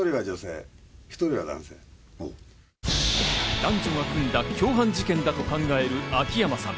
男女が組んだ共犯事件だと考える秋山さん。